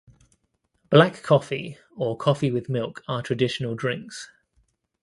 Black coffee or coffee with milk are traditional drinks.